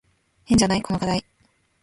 変じゃない？この課題。